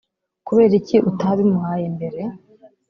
kubera iki utabimuhaye mbere